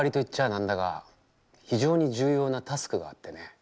なんだが非常に重要なタスクがあってね。